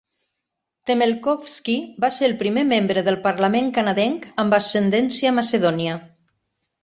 Temelkovski va ser el primer membre del parlament canadenc amb ascendència macedònia.